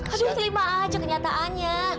aduh terima aja kenyataannya